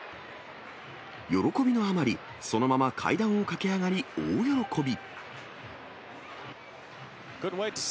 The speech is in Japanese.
喜びのあまり、そのまま階段を駆け上がり、大喜び。